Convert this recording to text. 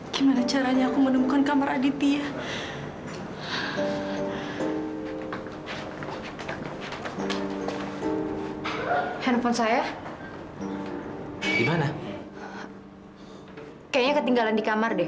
sampai jumpa di video selanjutnya